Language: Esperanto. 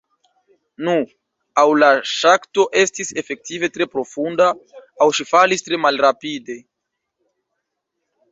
Nu, aŭ la ŝakto estis efektive tre profunda, aŭ ŝi falis tre malrapide.